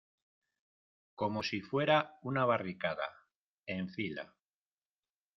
como si fuera una barricada, en fila.